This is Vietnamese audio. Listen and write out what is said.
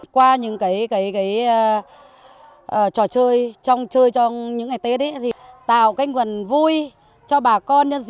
qua những trò chơi trong những ngày tết tạo cái nguồn vui cho bà con